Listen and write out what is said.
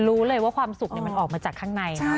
รู้เลยว่าความสุขมันออกมาจากข้างใน